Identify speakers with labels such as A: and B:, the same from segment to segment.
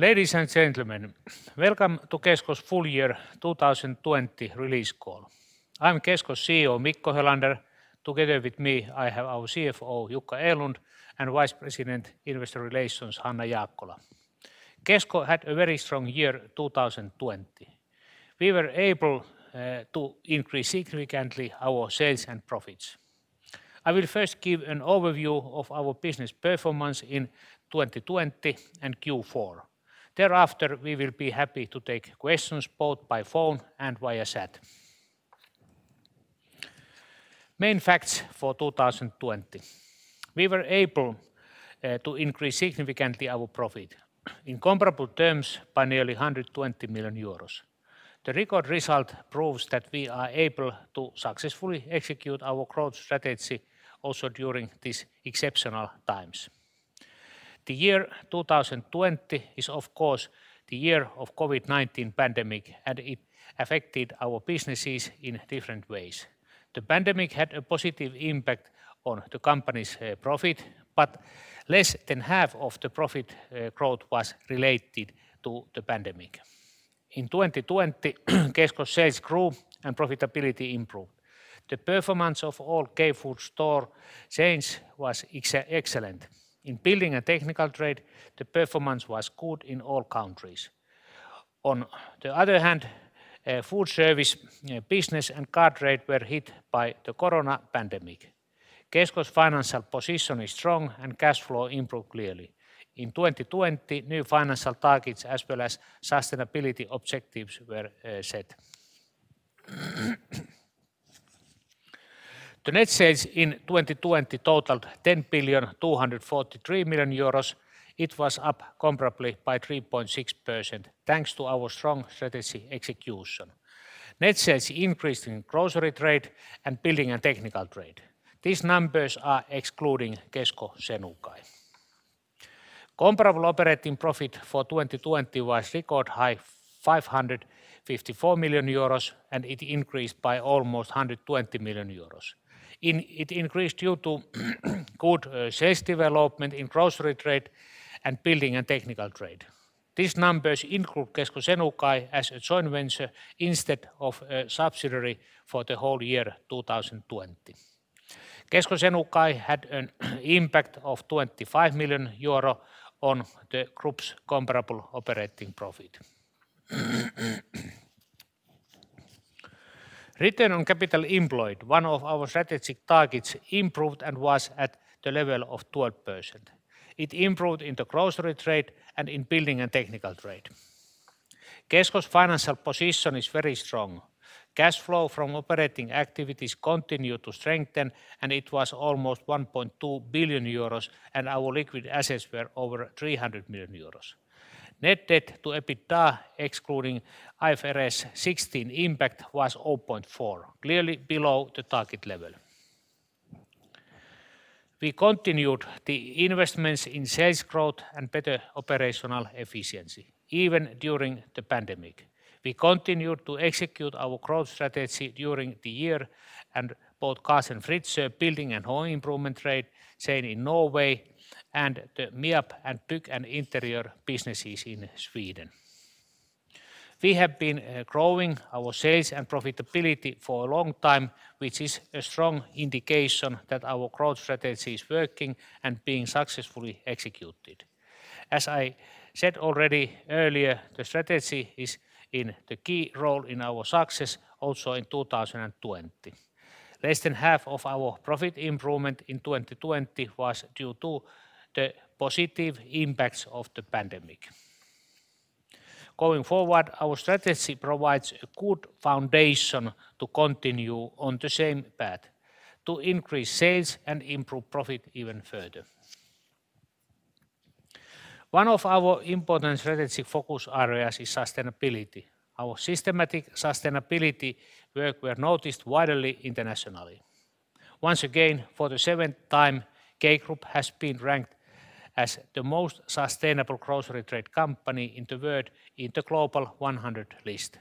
A: Ladies and gentlemen, welcome to Kesko's full year 2020 release call. I'm Kesko's CEO, Mikko Helander. Together with me, I have our CFO, Jukka Erlund, and Vice President, Investor Relations, Hanna Jaakkola. Kesko had a very strong year 2020. We were able to increase significantly our sales and profits. I will first give an overview of our business performance in 2020 and Q4. Thereafter, we will be happy to take questions both by phone and via chat. Main facts for 2020. We were able to increase significantly our profit in comparable terms by nearly 120 million euros. The record result proves that we are able to successfully execute our growth strategy, also during these exceptional times. The year 2020 is, of course, the year of COVID-19 pandemic, and it affected our businesses in different ways. The pandemic had a positive impact on the company's profit, but less than EUR 60 million of the profit growth was related to the pandemic. In 2020, Kesko's sales grew and profitability improved. The performance of all K-Food store chains was excellent. In building and technical trade, the performance was good in all countries. On the other hand, foodservice, business, and car trade were hit by the corona pandemic. Kesko's financial position is strong, and cash flow improved clearly. In 2020, new financial targets as well as sustainability objectives were set. The net sales in 2020 totaled 10,243,000,000 euros. It was up comparably by 3.6% thanks to our strong strategy execution. Net sales increased in grocery trade and building and technical trade. These numbers are excluding Kesko Senukai. Comparable operating profit for 2020 was record high, 554 million euros, and it increased by almost 120 million euros. It increased due to good sales development in grocery trade and building and technical trade. These numbers include Kesko Senukai as a joint venture instead of a subsidiary for the whole year 2020. Kesko Senukai had an impact of 25 million euro on the group's comparable operating profit. Return on capital employed, one of our strategic targets, improved and was at the level of 12%. It improved in the grocery trade and in building and technical trade. Kesko's financial position is very strong. Cash flow from operating activities continued to strengthen, and it was almost 1.2 billion euros, and our liquid assets were over 300 million euros. Net debt to EBITDA, excluding IFRS 16 impact, was 0.4x, clearly below the target level. We continued the investments in sales growth and better operational efficiency, even during the pandemic. We continued to execute our growth strategy during the year and bought Carlsen Fritzøe Handel building and home improvement trade chain in Norway, and the MIAB and Bygg & Interiör businesses in Sweden. We have been growing our sales and profitability for a long time, which is a strong indication that our growth strategy is working and being successfully executed. As I said already earlier, the strategy is in the key role in our success, also in 2020. Less than EUR 60 million of our profit improvement in 2020 was due to the positive impacts of the pandemic. Going forward, our strategy provides a good foundation to continue on the same path to increase sales and improve profit even further. One of our important strategic focus areas is sustainability. Our systematic sustainability work were noticed widely internationally. Once again, for the seventh time, K Group has been ranked as the most sustainable grocery trade company in the world in the Global 100 list.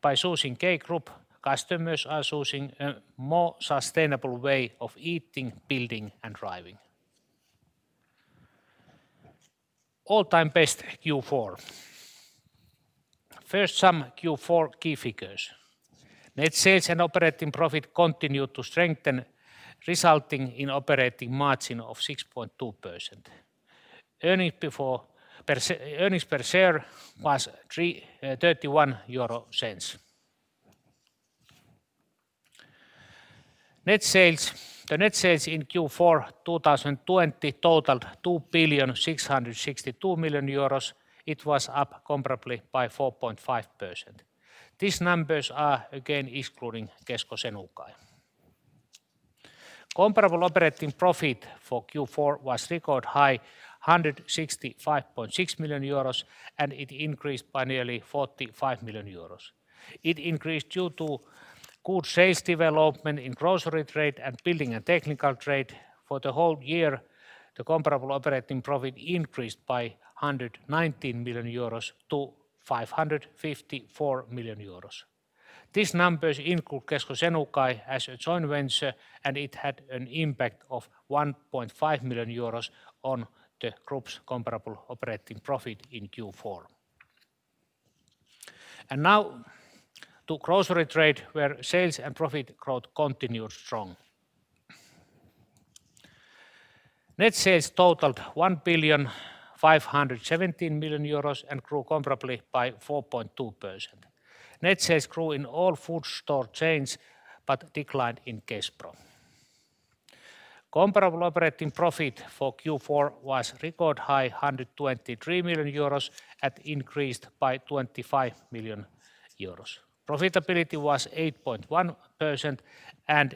A: By choosing K Group, customers are choosing a more sustainable way of eating, building, and driving. All-Time Best Q4. First, some Q4 key figures. Net sales and operating profit continued to strengthen, resulting in operating margin of 6.2%. Earnings per share was 0.31. The net sales in Q4 2020 totaled 2,662,000,000 euros. It was up comparably by 4.5%. These numbers are again excluding Kesko Senukai. Comparable operating profit for Q4 was record high, 165.6 million euros, and it increased by nearly 45 million euros. It increased due to good sales development in grocery trade and building and technical trade. For the whole year, the comparable operating profit increased by 119 million euros to 554 million euros. These numbers include Kesko Senukai as a joint venture. It had an impact of 1.5 million euros on the group's comparable operating profit in Q4. Now to grocery trade where sales and profit growth continued strong. Net sales totaled 1,517,000,000 euros and grew comparably by 4.2%. Net sales grew in all food store chains, but declined in Kespro. Comparable operating profit for Q4 was record high 123 million euros and increased by 25 million euros. Profitability was 8.1%.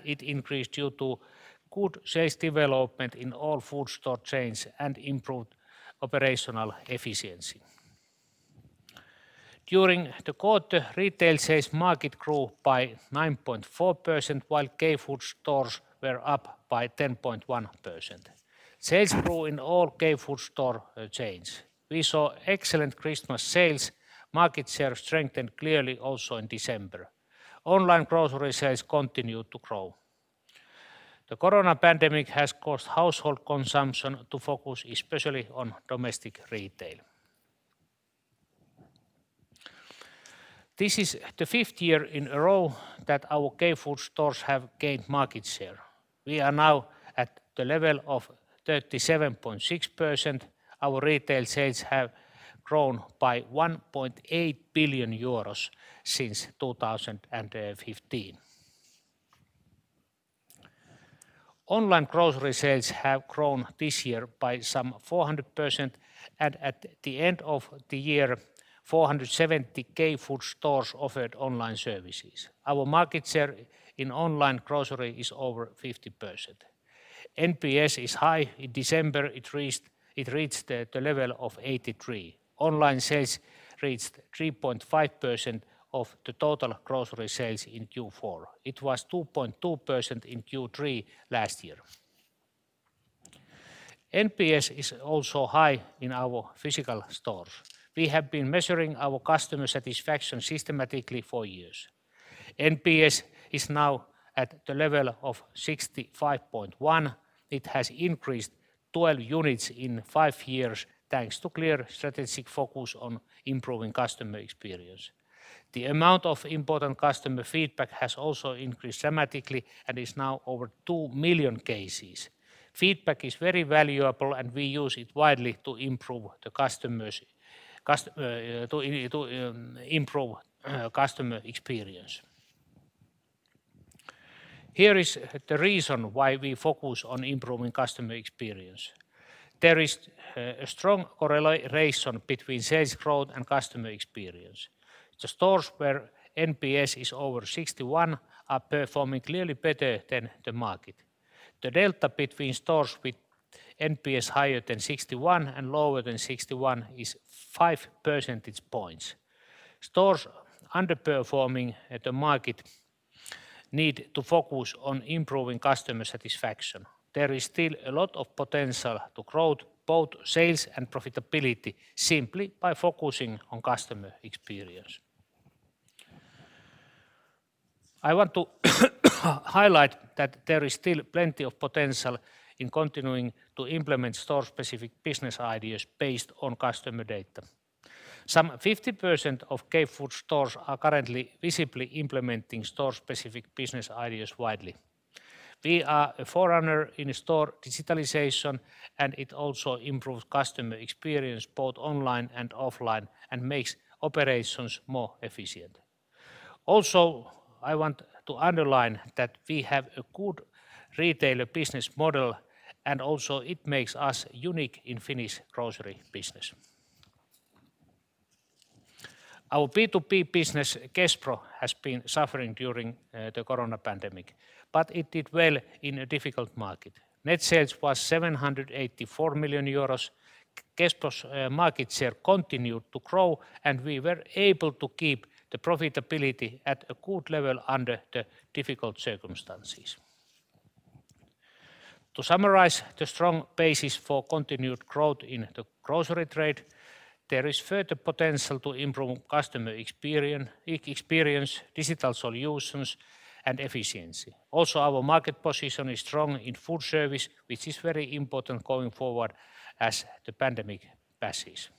A: It increased due to good sales development in all food store chains and improved operational efficiency. During the quarter, retail sales market grew by 9.4%, while K-Food stores were up by 10.1%. Sales grew in all K-Food store chains. We saw excellent Christmas sales. Market share strengthened clearly also in December. Online grocery sales continued to grow. The coronavirus pandemic has caused household consumption to focus especially on domestic retail. This is the fifth year in a row that our K-Food stores have gained market share. We are now at the level of 37.6%. Our retail sales have grown by 1.8 billion euros since 2015. Online grocery sales have grown this year by some 400%, and at the end of the year, 470 K-Food stores offered online services. Our market share in online grocery is over 50%. NPS is high. In December, it reached the level of NPS 83. Online sales reached 3.5% of the total grocery sales in Q4. It was 2.2% in Q3 last year. NPS is also high in our physical stores. We have been measuring our customer satisfaction systematically for years. NPS is now at the level of 65.1. It has increased 12 units in five years, thanks to clear strategic focus on improving customer experience. The amount of important customer feedback has also increased dramatically and is now over 2 million cases. Feedback is very valuable, and we use it widely to improve customers' experience. Here is the reason why we focus on improving customers' experience. There is a strong correlation between sales growth and customers' experience. The stores where NPS is over 61 are performing clearly better than the market. The delta between stores with NPS higher than 61 and lower than 61 is 5 percentage points. Stores underperforming at the market need to focus on improving customer satisfaction. There is still a lot of potential to grow both sales and profitability simply by focusing on customers' experience. I want to highlight that there is still plenty of potential in continuing to implement store-specific business ideas based on customer data. Some 50% of K-Food stores are currently visibly implementing store-specific business ideas widely. We are a forerunner in store digitalization, and it also improves customer experience both online and offline, and makes operations more efficient. I want to underline that we have a good retailer business model, and also it makes us unique in Finnish grocery business. Our B2B business, Kespro, has been suffering during the coronavirus pandemic, but it did well in a difficult market. Net sales was 784 million euros. Kespro's market share continued to grow, and we were able to keep the profitability at a good level under the difficult circumstances. To summarize the strong basis for continued growth in the grocery trade, there is further potential to improve customers' experience, digital solutions, and efficiency. Our market position is strong in foodservice, which is very important going forward as the pandemic passes.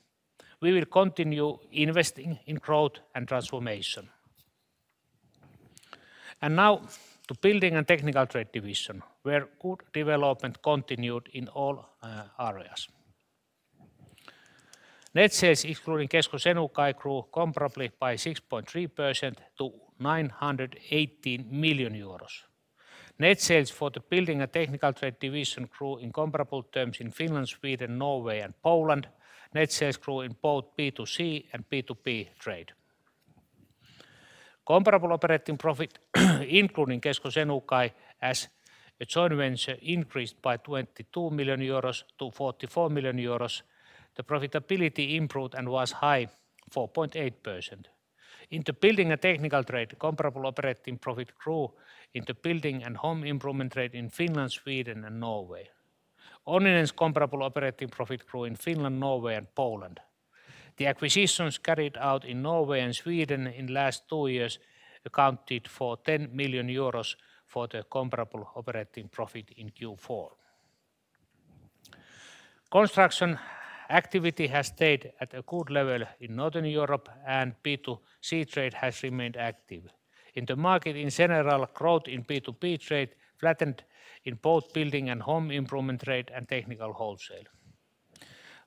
A: We will continue investing in growth and transformation. Now to building and technical trade division, where good development continued in all areas. Net sales, including Kesko Senukai, grew comparably by 6.3% to 918 million euros. Net sales for the building and technical trade division grew in comparable terms in Finland, Sweden, Norway and Poland. Net sales grew in both B2C and B2B trade. Comparable operating profit including Kesko Senukai as a joint venture, increased by 22 million euros to 44 million euros. The profitability improved and was high 4.8%. In the building and technical trade, comparable operating profit grew in the building and home improvement trade in Finland, Sweden and Norway. Onninen's comparable operating profit grew in Finland, Norway, and Poland. The acquisitions carried out in Norway and Sweden in last two years accounted for 10 million euros for the comparable operating profit in Q4. Construction activity has stayed at a good level in Northern Europe and B2C trade has remained active. In the market in general, growth in B2B trade flattened in both building and home improvement trade and technical wholesale.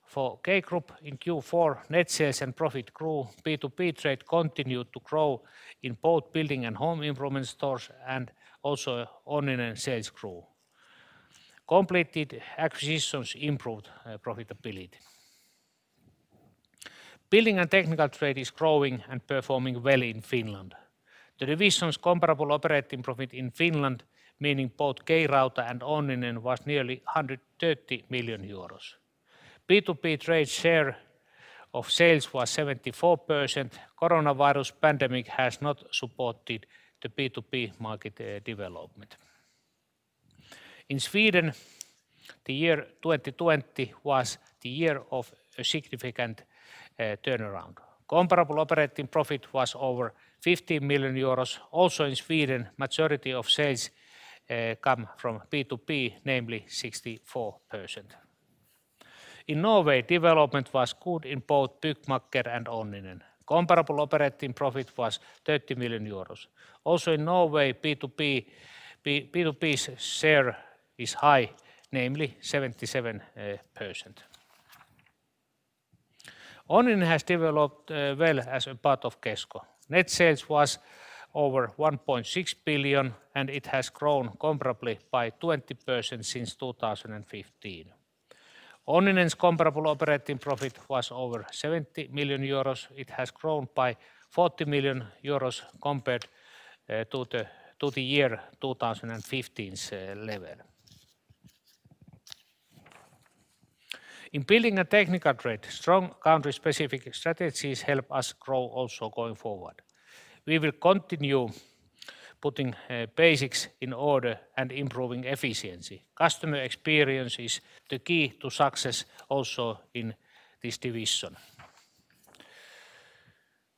A: For K Group in Q4, net sales and profit grew. B2B trade continued to grow in both building and home improvement stores and also Onninen sales grew. Completed acquisitions improved profitability. Building and technical trade is growing and performing well in Finland. The division's comparable operating profit in Finland, meaning both K-Rauta and Onninen, was nearly 130 million euros. B2B trade share of sales was 74%. Coronavirus pandemic has not supported the B2B market development. In Sweden, the year 2020 was the year of a significant turnaround. Comparable operating profit was over 50 million euros. Also in Sweden, majority of sales come from B2B, namely 64%. In Norway, development was good in both Byggmakker and Onninen. Comparable operating profit was 30 million euros. Also, in Norway, B2B's share is high, namely 77%. Onninen has developed well as a part of Kesko. Net sales was over 1.6 billion, and it has grown comparably by 20% since 2015. Onninen's comparable operating profit was over 70 million euros. It has grown by 40 million euros compared to the year 2015's level. In building and technical trade, strong country-specific strategies help us grow also going forward. We will continue putting basics in order and improving efficiency. Customers' experience is the key to success also in this division.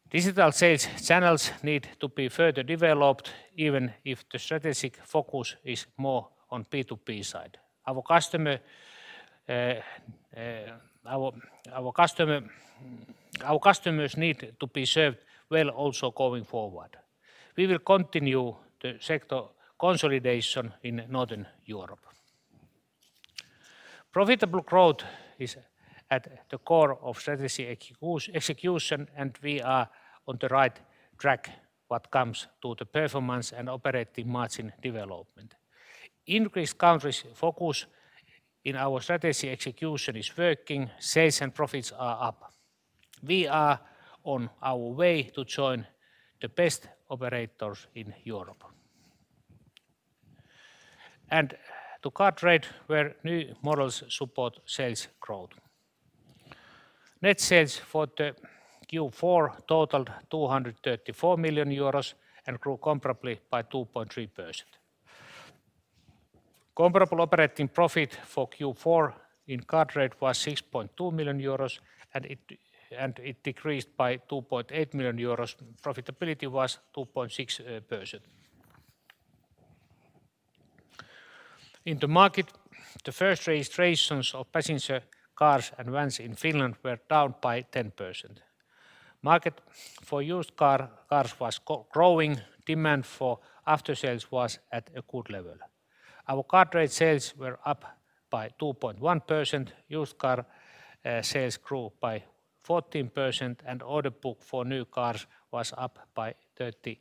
A: Digital sales channels need to be further developed, even if the strategic focus is more on B2B side. Our customers need to be served well, also going forward. We will continue the sector consolidation in Northern Europe. Profitable growth is at the core of strategy execution, and we are on the right track when it comes to the performance and operating margin development. Increased countries' focus in our strategy execution is working. Sales and profits are up. We are on our way to join the best operators in Europe. To car trade where new models support sales growth. Net sales for the Q4 totaled 234 million euros and grew comparably by 2.3%. Comparable operating profit for Q4 in car trade was 6.2 million euros, and it decreased by 2.8 million euros. Profitability was 2.6%. In the market, the first registrations of passenger cars and vans in Finland were down by 10%. Market for used cars was growing. Demand for after-sales was at a good level. Our car trade sales were up by 2.1%. Used car sales grew by 14%. Order book for new cars was up by 36%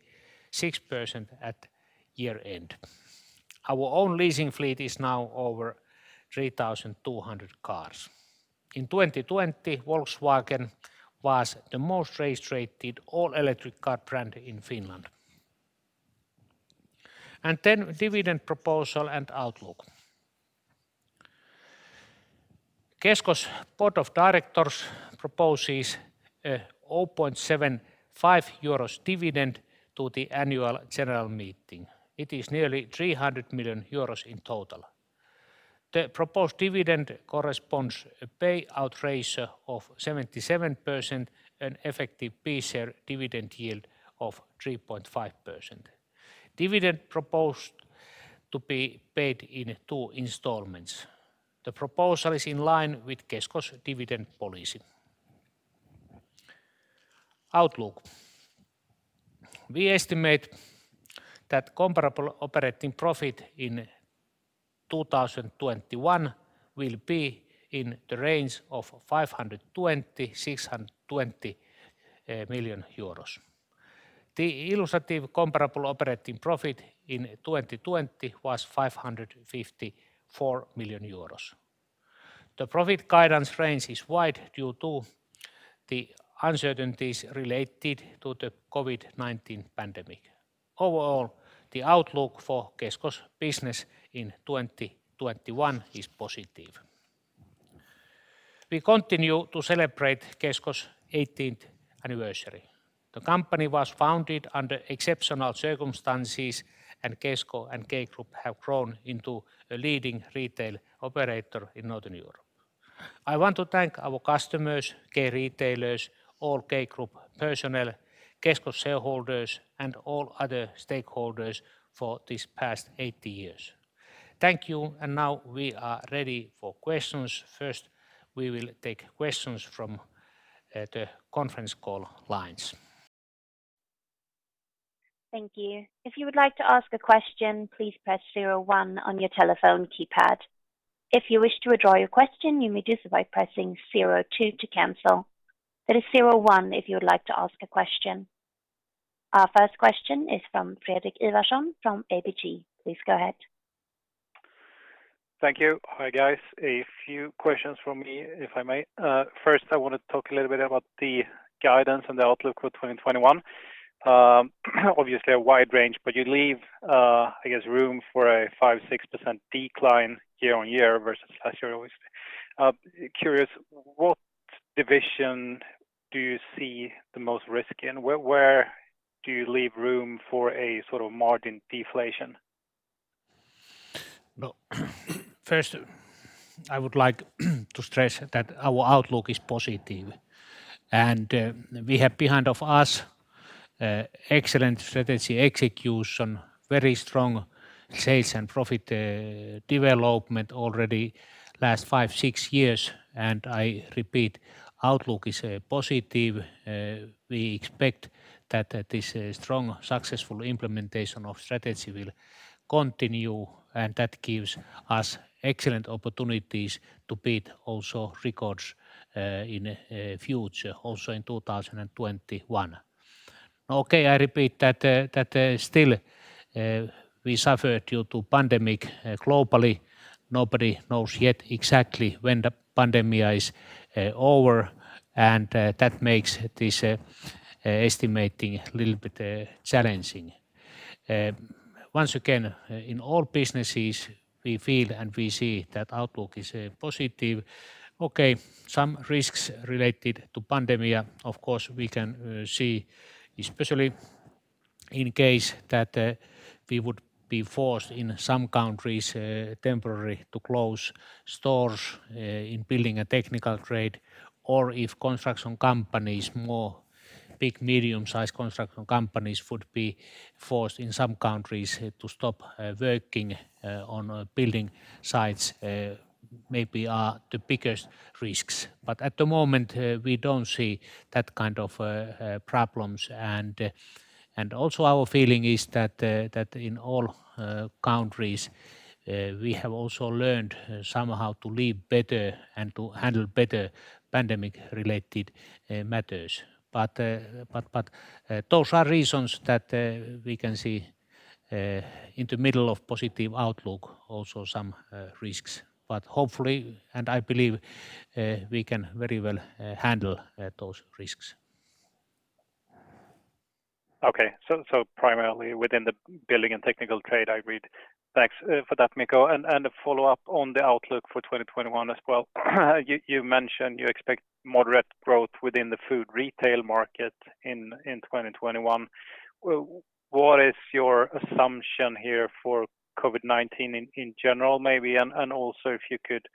A: at year-end. Our own leasing fleet is now over 3,200 cars. In 2020, Volkswagen was the most registered all-electric car brand in Finland. Dividend Proposal and Outlook: Kesko's Board of Directors proposes a 0.75 euros dividend to the Annual General Meeting. It is nearly 300 million euros in total. The proposed dividend corresponds a payout ratio of 77%, an effective per share dividend yield of 3.5%. Dividend proposed to be paid in two installments. The proposal is in line with Kesko's dividend policy. Outlook: We estimate that comparable operating profit in 2021 will be in the range of 520 million-620 million euros. The illustrative comparable operating profit in 2020 was 554 million euros. The profit guidance range is wide due to the uncertainties related to the COVID-19 pandemic. Overall, the outlook for Kesko's business in 2021 is positive. We continue to celebrate Kesko's 80th anniversary. The company was founded under exceptional circumstances, and Kesko and K Group have grown into a leading retail operator in Northern Europe. I want to thank our customers, K-retailers, all K Group personnel, Kesko shareholders, and all other stakeholders for these past 80 years. Thank you. Now we are ready for questions. First, we will take questions from the conference call lines.
B: Thank you. If you would like to ask a question, please press zero one on your telephone keypad. If you wish to withdraw your question, you may do so by pressing zero two to cancel. It is zero one, if you would like to ask a question. Our first question is from Fredrik Ivarsson from ABG. Please go ahead.
C: Thank you. Hi, guys. A few questions from me, if I may. First, I want to talk a little bit about the guidance and the outlook for 2021. Obviously, a wide range, but you leave, I guess, room for a 5%, 6% decline year-on-year versus last year. Curious, what division do you see the most risk in? Where do you leave room for a sort of margin deflation?
A: First, I would like to stress that our outlook is positive and we have behind of us excellent strategy execution, very strong sales and profit development already last five, six years. I repeat, outlook is positive. We expect that this strong, successful implementation of strategy will continue and that gives us excellent opportunities to beat also records in future, also in 2021. Okay, I repeat that still we suffer due to pandemic globally. Nobody knows yet exactly when the pandemia is over, that makes this estimating a little bit challenging. Once again, in all businesses, we feel and we see that outlook is positive. Okay. Some risks related to pandemia, of course, we can see especially in case that we would be forced in some countries temporarily to close stores in building and technical trade, or if more big, medium-sized construction companies would be forced in some countries to stop working on building sites, maybe are the biggest risks. At the moment, we don't see that kind of problems. Also, our feeling is that in all countries, we have also learned somehow to live better and to handle better pandemic-related matters. Those are reasons that we can see in the middle of positive outlook, also some risks. Hopefully, and I believe we can very well handle those risks.
C: Okay. Primarily within the building and technical trade, I read. Thanks for that, Mikko. A follow-up on the outlook for 2021 as well. You mentioned you expect moderate growth within the food retail market in 2021. What is your assumption here for COVID-19 in general, maybe, and also, if you could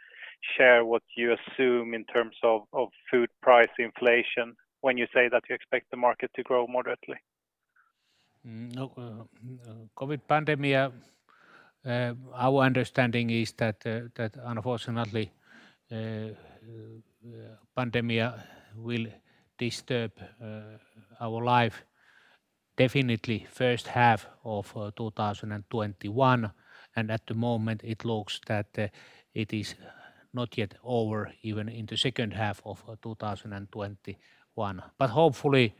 C: share what you assume in terms of food price inflation when you say that you expect the market to grow moderately?
A: COVID pandemic, our understanding is that unfortunately, pandemia will disturb our life definitely first half of 2021, and at the moment, it looks that it is not yet over, even in the second half of 2021. Hopefully,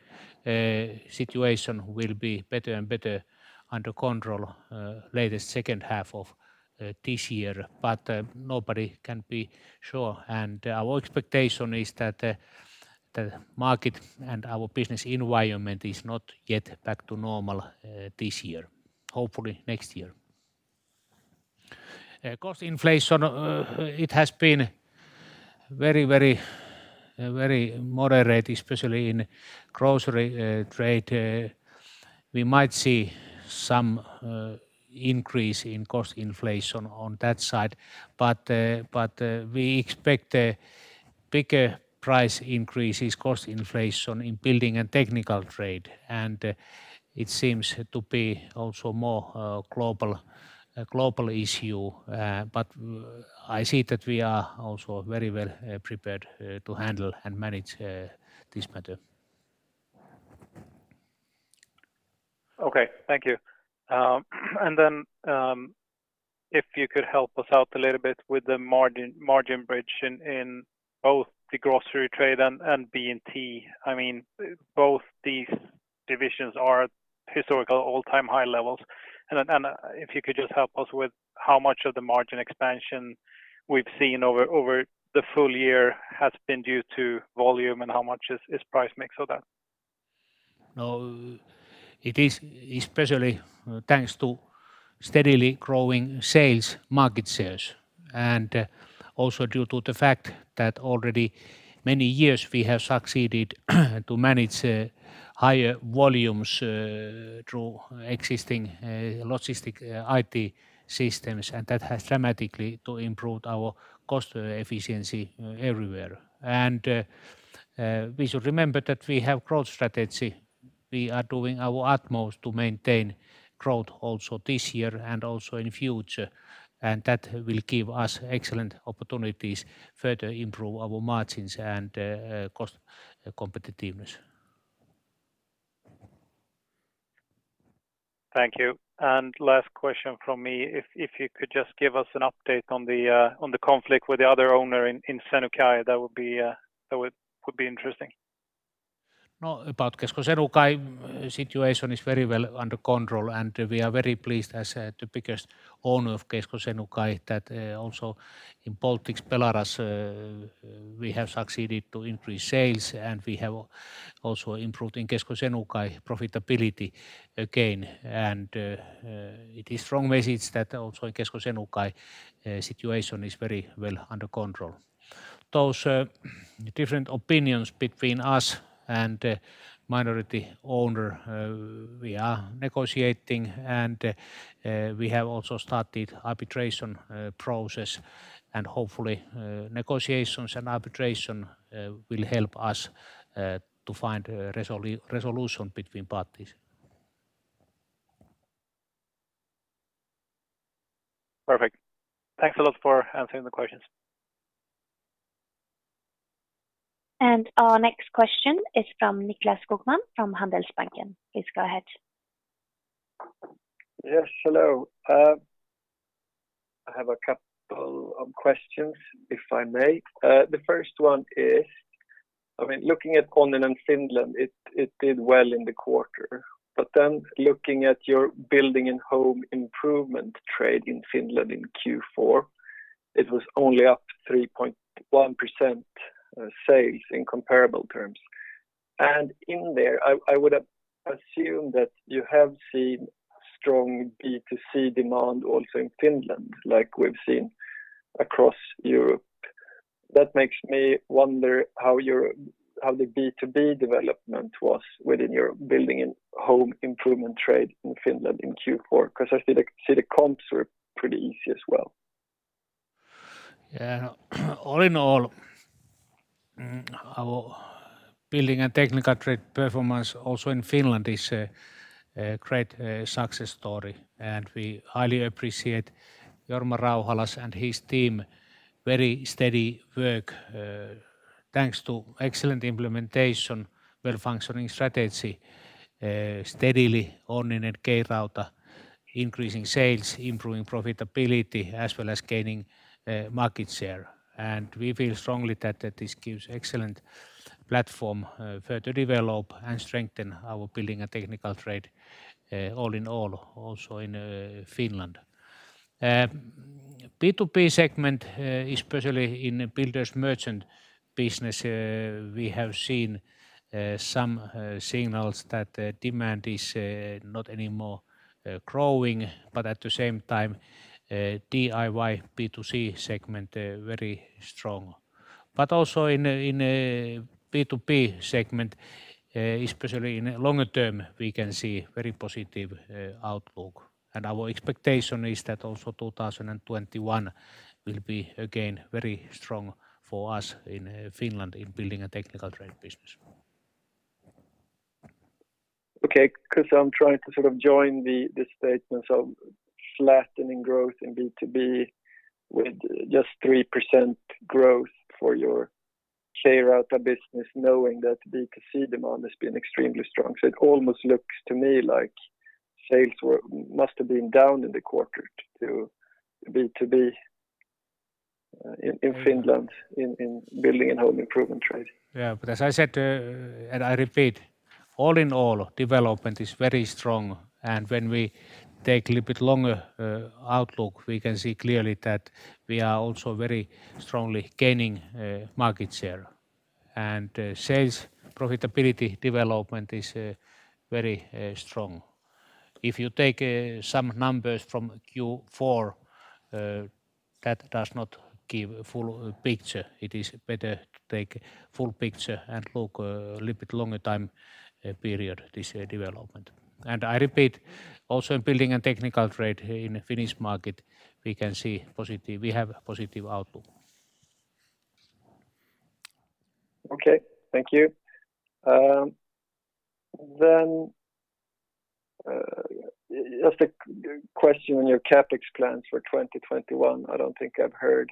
A: situation will be better and better under control latest second half of this year, but nobody can be sure. Our expectation is that the market and our business environment is not yet back to normal this year. Hopefully next year. Cost inflation, it has been very moderate, especially in grocery trade. We might see some increase in cost inflation on that side, but we expect bigger price increases, cost inflation in building and technical trade, and it seems to be also more a global issue. I see that we are also very well prepared to handle and manage this matter.
C: Okay. Thank you. If you could help us out a little bit with the margin bridge in both the grocery trade and B&T. Both these divisions are historical all-time high levels, and if you could just help us with how much of the margin expansion we've seen over the full year has been due to volume and how much is price mix of that?
A: No. It is especially thanks to steadily growing market shares, and also due to the fact that already many years we have succeeded to manage higher volumes through existing logistic IT systems, and that has dramatically improved our cost efficiency everywhere. We should remember that we have growth strategy. We are doing our utmost to maintain growth also this year and also in future. That will give us excellent opportunities to further improve our margins and cost competitiveness.
C: Thank you. Last question from me. If you could just give us an update on the conflict with the other owner in Senukai, that would be interesting.
A: About Kesko Senukai, situation is very well under control. We are very pleased as the biggest owner of Kesko Senukai that also in Baltics, Belarus, we have succeeded to increase sales. We have also improved in Kesko Senukai profitability again. It is strong message that also in Kesko Senukai situation is very well under control. Those different opinions between us and the minority owner, we are negotiating. We have also started arbitration process. Hopefully, negotiations and arbitration will help us to find a resolution between parties.
C: Perfect. Thanks a lot for answering the questions.
B: Our next question is from Nicklas Skogman from Handelsbanken. Please go ahead.
D: Yes, hello. I have a couple of questions, if I may. The first one is, looking at Onninen Finland, it did well in the quarter. Looking at your building and home improvement trade in Finland in Q4, it was only up 3.1% sales in comparable terms. In there, I would assume that you have seen strong B2C demand also in Finland, like we've seen across Europe. That makes me wonder how the B2B development was within your building and home improvement trade in Finland in Q4, because I see the comps were pretty easy as well.
A: All in all, our building and technical trade performance also in Finland is a great success story, and we highly appreciate Jorma Rauhala and his team's very steady work. Thanks to excellent implementation, well-functioning strategy, steadily Onninen and K-Rauta increasing sales, improving profitability, as well as gaining market share. We feel strongly that this gives excellent platform to further develop and strengthen our building and technical trade, all in all, also in Finland. B2B segment, especially in the builders' merchant business, we have seen some signals that demand is not anymore growing, but at the same time, DIY B2C segment very strong. Also in B2B segment, especially in longer term, we can see very positive outlook. Our expectation is that also 2021 will be again very strong for us in Finland in building and technical trade business.
D: Okay. Because I'm trying to sort of join the statements of flattening growth in B2B with just 3% growth for your K-Rauta business, knowing that B2C demand has been extremely strong. It almost looks to me like sales must have been down in the quarter to B2B in Finland in building and home improvement trade.
A: Yeah. As I said, and I repeat, all in all, development is very strong. When we take little bit longer outlook, we can see clearly that we are also very strongly gaining market share. Sales profitability development is very strong. If you take some numbers from Q4, that does not give a full picture. It is better to take full picture and look a little bit longer time period this development. I repeat, also in building and technical trade in Finnish market, we have positive outlook.
D: Okay. Thank you. Just a question on your CapEx plans for 2021. I don't think I've heard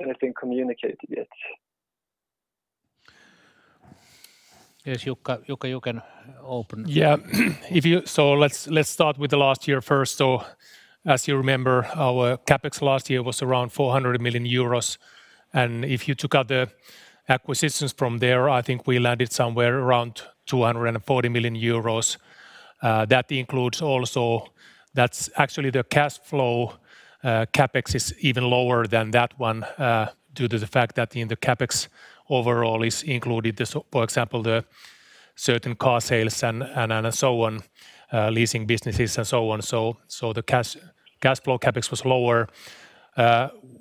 D: anything communicated yet?
A: Yes, Jukka, you can open.
E: Yeah. Let's start with the last year first. As you remember, our CapEx last year was around 400 million euros. If you took out the acquisitions from there, I think we landed somewhere around 240 million euros. That includes also the cash flow CapEx, which is even lower than that one, due to the fact that in the CapEx overall is included, for example, certain car sales, leasing businesses, and so on. The cash flow CapEx was lower.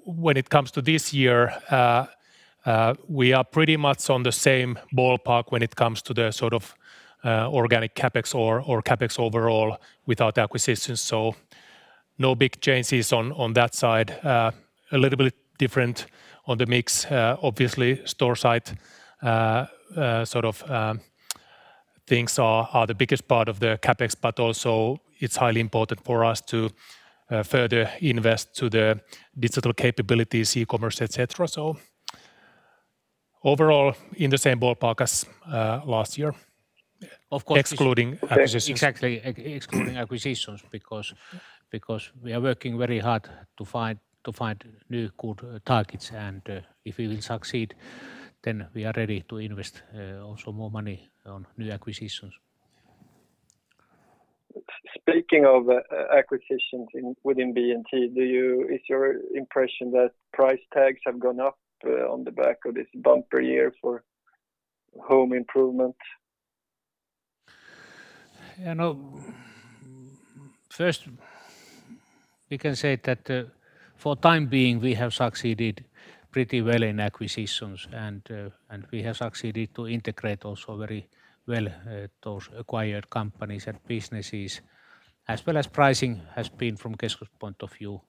E: When it comes to this year, we are pretty much on the same ballpark when it comes to the organic CapEx or CapEx overall without acquisitions. No big changes on that side. A little bit different on the mix. Obviously, store site things are the biggest part of the CapEx, but also it's highly important for us to further invest to the digital capabilities, e-commerce, et cetera. Overall, in the same ballpark as last year, excluding acquisitions.
A: Exactly. Excluding acquisitions because we are working very hard to find new good targets, and if we will succeed, then we are ready to invest also more money on new acquisitions.
D: Speaking of acquisitions within B&T, is your impression that price tags have gone up on the back of this bumper year for home improvement?
A: First, we can say that for time being, we have succeeded pretty well in acquisitions and we have succeeded to integrate also very well those acquired companies and businesses, as well as pricing has been, from Kesko's point of view,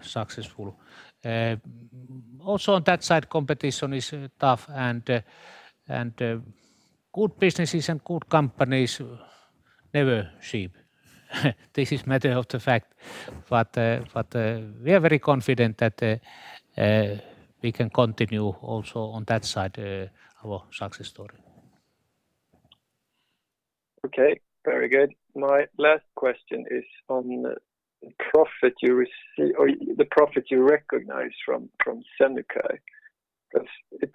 A: successful. On that side, competition is tough, and good businesses and good companies never cheap. This is matter of the fact, we are very confident that we can continue also on that side of our success story.
D: Okay. Very good. My last question is on the profit you recognize from Senukai, because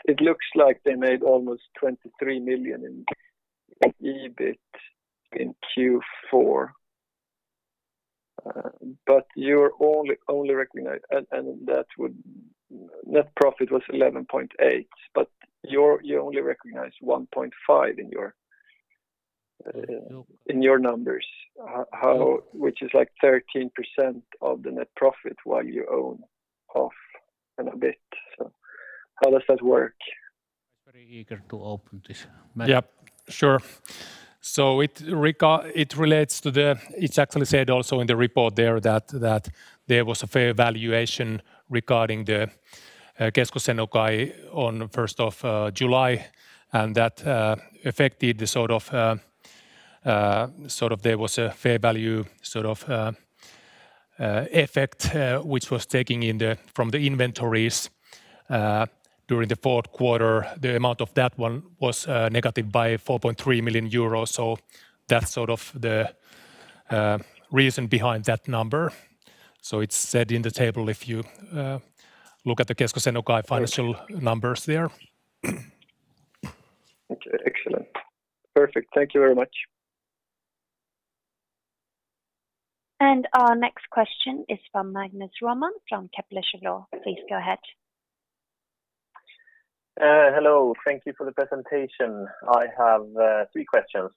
D: it looks like they made almost 23 million in EBIT in Q4. Net profit was 11.8 million, but you only recognized 1.5 million in your numbers, which is like 13% of the net profit, while you own EUR 5.9 million and a bit. How does that work?
A: Jukka was very eager to open this.
E: Yeah. Sure. It's actually said also in the report there that there was a fair valuation regarding the Kesko Senukai on the 1st of July, and there was a fair value effect, which was taken from the inventories during the fourth quarter. The amount of that one was negative by 4.3 million euros, that's the reason behind that number. It's said in the table if you look at the Kesko Senukai financial numbers there.
D: Okay. Excellent. Perfect. Thank you very much.
B: Our next question is from Magnus Råman from Kepler Cheuvreux. Please go ahead.
F: Hello. Thank you for the presentation. I have three questions.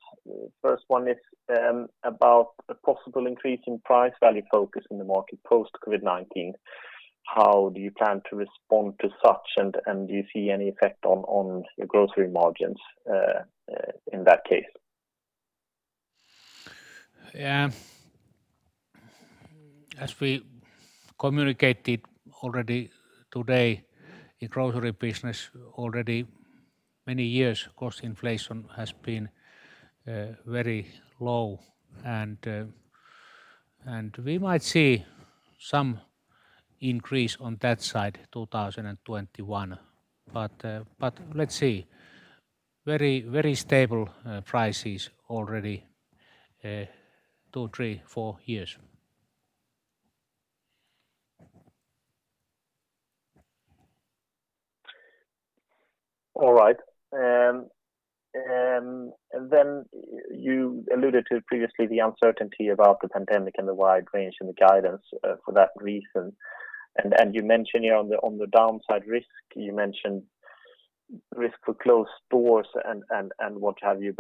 F: First one is about a possible increase in price value focus in the market post COVID-19. How do you plan to respond to such, and do you see any effect on your grocery margins in that case?
A: Yeah. As we communicated already today in grocery business, already many years, cost inflation has been very low, and we might see some increase on that side 2021, but let's see. Very stable prices already two, three, four years.
F: All right. You alluded to previously the uncertainty about the pandemic and the wide range in the guidance for that reason. You mentioned on the downside risk, you mentioned risk for closed stores, and what have you.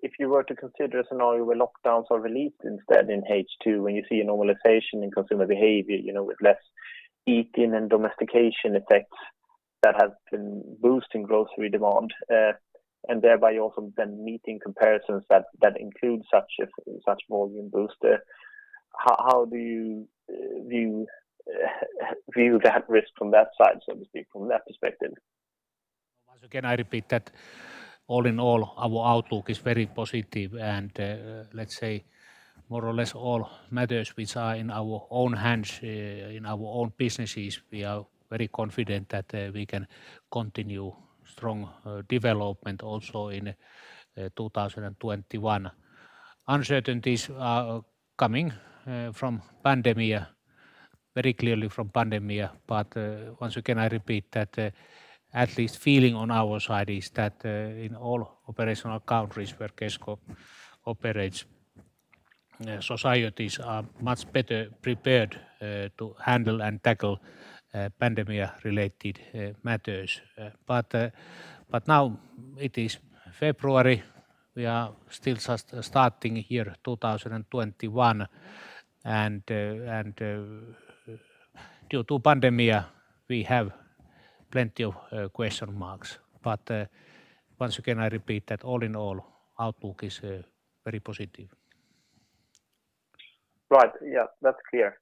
F: If you were to consider a scenario where lockdowns are released instead in H2, when you see a normalization in consumer behavior with less eating and domestication effects that have been boosting grocery demand, and thereby also been meeting comparisons that include such volume booster, how do you view that risk from that side, so to speak, from that perspective?
A: Once again, I repeat that all in all, our outlook is very positive, and let's say more or less all matters which are in our own hands, in our own businesses, we are very confident that we can continue strong development also in 2021. Uncertainties are coming very clearly from pandemia. Once again, I repeat that at least feeling on our side is that in all operational countries where Kesko operates, societies are much better prepared to handle and tackle pandemia-related matters. Now it is February. We are still just starting year 2021, and due to pandemia, we have plenty of question marks. Once again, I repeat that all in all, outlook is very positive.
F: Right. Yeah, that's clear.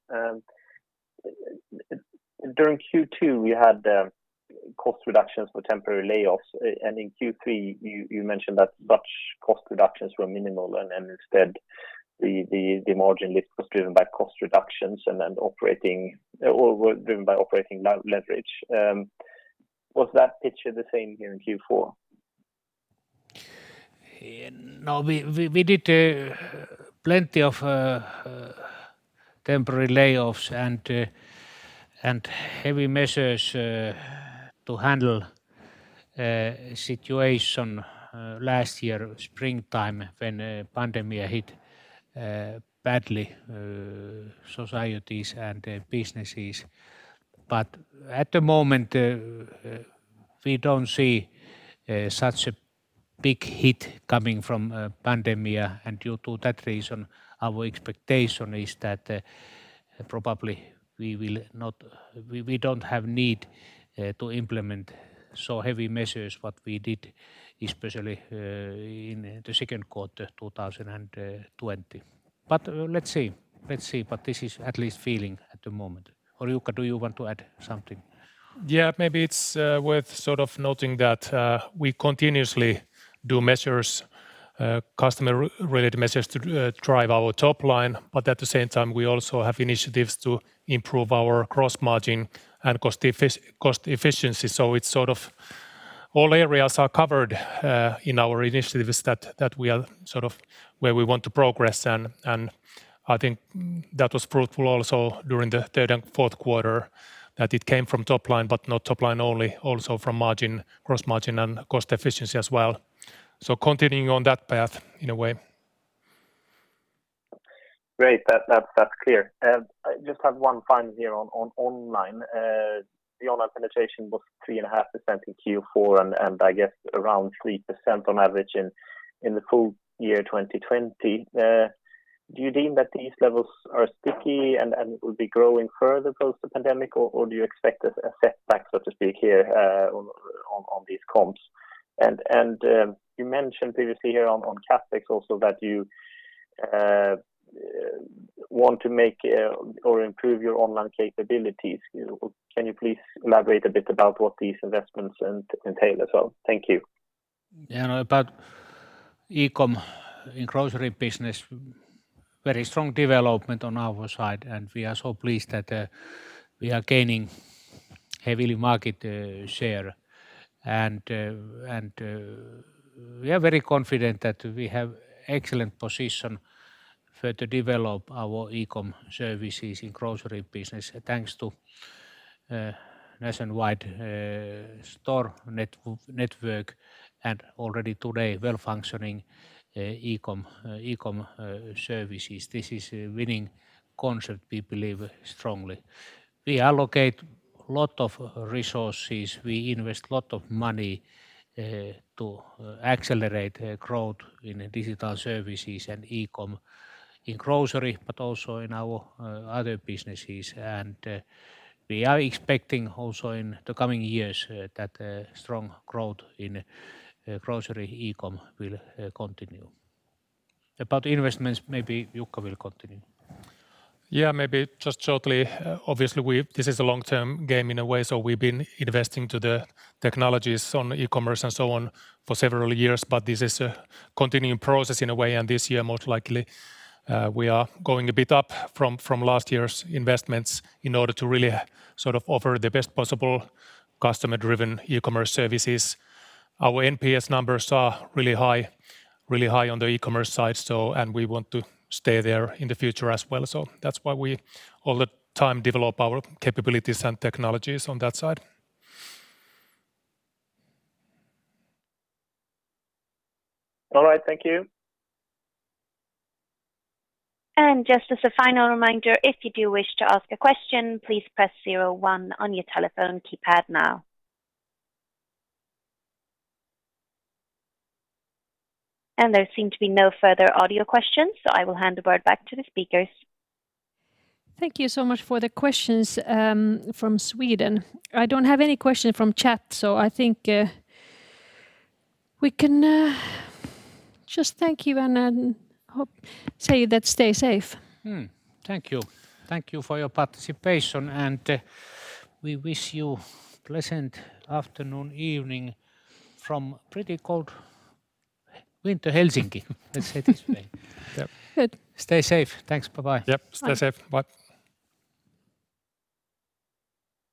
F: During Q2, you had cost reductions for temporary layoffs, and in Q3 you mentioned that such cost reductions were minimal, and then instead the margin lift was driven by cost reductions and operating leverage. Was that picture the same here in Q4?
A: No, we did plenty of temporary layoffs and heavy measures to handle situation last year, springtime when pandemia hit badly societies and businesses. At the moment, we don't see such a big hit coming from pandemia. Due to that reason, our expectation is that probably we don't have need to implement so heavy measures what we did, especially in the second quarter 2020. Let's see. This is at least feeling at the moment. Jukka, do you want to add something?
E: Maybe it's worth sort of noting that we continuously do customer-related measures to drive our top line, but at the same time, we also have initiatives to improve our gross margin and cost efficiency. It's sort of all areas are covered in our initiatives that we are sort of where we want to progress, and I think that was fruitful also during the third and fourth quarter, that it came from top line, but not top line only, also from margin, gross margin, and cost efficiency as well. Continuing on that path in a way.
F: Great. That's clear. I just have one final here on online. The online penetration was 3.5% in Q4, and I guess around 3% on average in the full year 2020. Do you deem that these levels are sticky and will be growing further post the pandemic, or do you expect a setback, so to speak, here on these comps? You mentioned previously here on CapEx also that you want to make or improve your online capabilities. Can you please elaborate a bit about what these investments entail as well? Thank you.
A: About e-com in grocery business, very strong development on our side. We are so pleased that we are gaining heavily market share. We are very confident that we have excellent position for to develop our e-com services in grocery business, thanks to nationwide store network and already today well-functioning e-com services. This is a winning concept, we believe strongly. We allocate lot of resources. We invest lot of money to accelerate growth in digital services and e-com in grocery, but also in our other businesses. We are expecting also in the coming years that strong growth in grocery e-com will continue. About investments, maybe Jukka will continue.
E: Yeah, maybe just shortly. Obviously, this is a long-term game in a way, so we've been investing to the technologies on e-commerce and so on for several years, but this is a continuing process in a way, and this year, most likely, we are going a bit up from last year's investments in order to really sort of offer the best possible customer-driven e-commerce services. Our NPS numbers are really high on the e-commerce side, and we want to stay there in the future as well. That's why we all the time develop our capabilities and technologies on that side.
F: All right. Thank you.
B: Just as a final reminder, if you do wish to ask a question, please press zero one on your telephone keypad. Now, there seem to be no further audio questions, so I will hand the word back to the speakers.
G: Thank you so much for the questions from Sweden. I don't have any questions from chat, so I think we can just thank you and say that stay safe.
A: Thank you. Thank you for your participation. We wish you pleasant afternoon, evening, from pretty cold winter Helsinki. Let's say it this way.
G: Good.
A: Stay safe. Thanks. Bye-bye.
E: Yep. Stay safe. Bye.